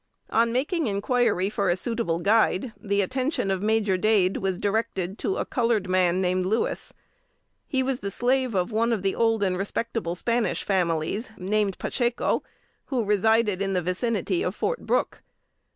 On making inquiry for a suitable guide, the attention of Major Dade was directed to a colored man named Louis. He was the slave of one of the old and respectable Spanish families, named Pacheco, who resided in the vicinity of Fort Brooke.